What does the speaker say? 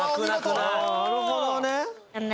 なるほどね。